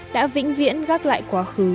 đã vĩnh viễn gác lại quá khứ